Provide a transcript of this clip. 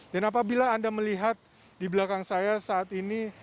dan apabila anda melihat di belakang saya saat ini